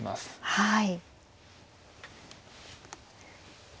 はい。